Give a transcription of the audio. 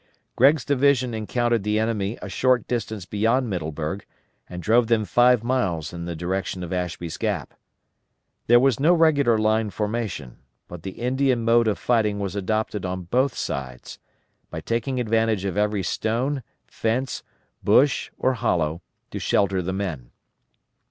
Gregg's division encountered the enemy a short distance beyond Middleburg and drove them five miles in the direction of Ashby's Gap. There was no regular line formation, but the Indian mode of fighting was adopted on both sides, by taking advantage of every stone, fence, bush, or hollow, to shelter the men.